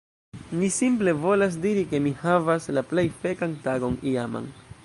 Mi simple volas diri ke mi havas la plej fekan tagon iaman.